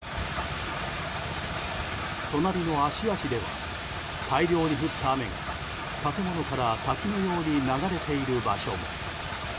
隣の芦屋市では大量に降った雨が建物から滝のように流れている場所も。